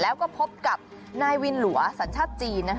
แล้วก็พบกับนายวินหลัวสัญชาติจีน